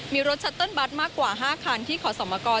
มีรถชัตเติ้ลบัตรมากกว่า๕คันที่ขอสมกร